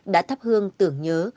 đã thắp hương tưởng nhớ